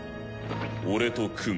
俺と組め。